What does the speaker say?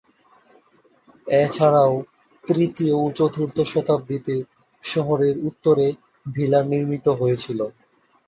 এছাড়াও তৃতীয় ও চতুর্থ শতাব্দীতে শহরের উত্তরে ভিলা নির্মিত হয়েছিল।